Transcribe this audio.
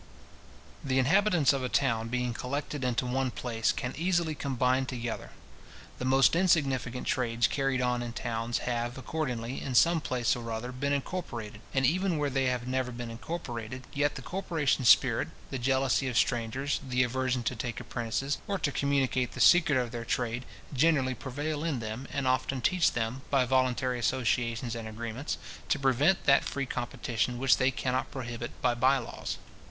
The inhabitants of a town being collected into one place, can easily combine together. The most insignificant trades carried on in towns have, accordingly, in some place or other, been incorporated; and even where they have never been incorporated, yet the corporation spirit, the jealousy of strangers, the aversion to take apprentices, or to communicate the secret of their trade, generally prevail in them, and often teach them, by voluntary associations and agreements, to prevent that free competition which they cannot prohibit by bye laws.